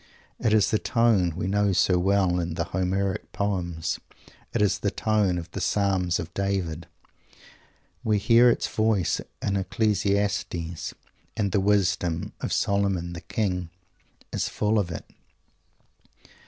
It is the tone we know so well in the Homeric poems. It is the tone of the Psalms of David. We hear its voice in "Ecclesiastes," and the wisdom of "Solomon the King" is full of it.